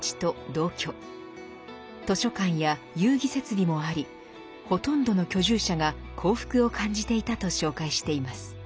図書館や遊戯設備もありほとんどの居住者が幸福を感じていたと紹介しています。